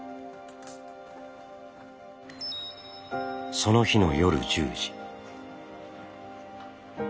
その日の夜１０時。